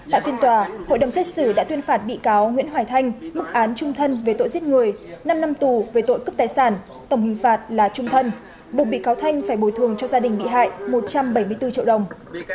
tại phiên tòa hội đồng xét xử đã tuyên phạt bị cáo nguyễn hoài thanh mức án trung thân về tội giết người năm năm tù về tội cướp tài sản tổng hình phạt là trung thân buộc bị cáo thanh phải bồi thường cho gia đình bị hại một trăm bảy mươi bốn triệu đồng